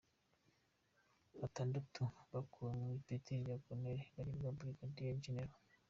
Batandatu bakuwe ku ipeti rya Colonel bagirwa ba Brigadier Jenerali.